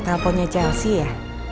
telponnya chelsea ya